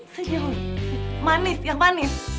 sejauh manis yang manis